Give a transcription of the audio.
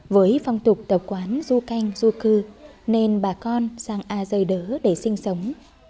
với phong tục tộc quán du canh du cư nên bà con sang a giời đỡ để sinh sống